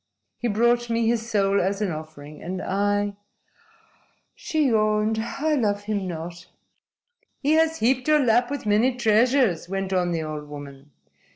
He brought me his soul as an offering. And I" she yawned "I love him not." "He has heaped your lap with many treasures," went on the old woman.